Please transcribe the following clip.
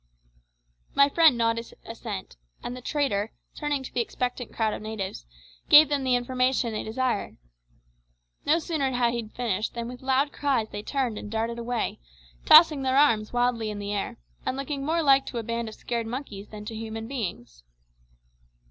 My friend nodded assent, and the trader, turning to the expectant crowd of natives, gave them the information they desired. No sooner had he finished than with loud cries they turned and darted away, tossing their arms wildly in the air, and looking more like to a band of scared monkeys than to human beings.